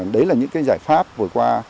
đấy là những cái giải pháp vừa qua